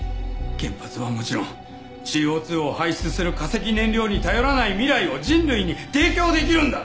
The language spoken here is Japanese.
原発はもちろんＣＯ２を排出する化石燃料に頼らない未来を人類に提供できるんだ！